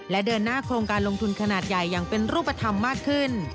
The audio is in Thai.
และเดินหน้าโครงการลงทุนขนาดใหญ่อย่างเป็นรูปธรรมมากขึ้น